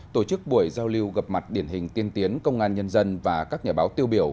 tổ chức buổi giao lưu gặp mặt điển hình tiên tiến công an nhân dân và các nhà báo tiêu biểu